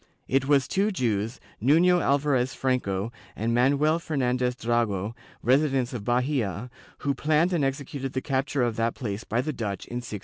It was two Jews, Nuiio Alvarez Franco and Manuel Fernandez Drago, residents of Bahia, who planned and executed the capture of that place by the Dutch in 1625.